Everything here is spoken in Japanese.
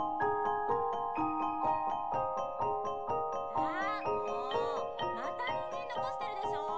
あもうまたニンジン残してるでしょう。